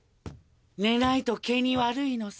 寝ないと毛に悪いのさ。